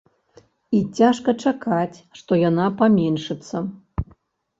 І цяжка чакаць, што яна паменшыцца.